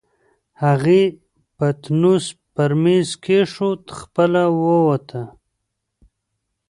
هغې پتنوس پر مېز کېښود، خپله ووته.